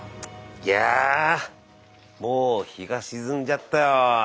いやぁもう日が沈んじゃったよ。